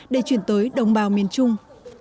để chuyển tới đồng bào miền trung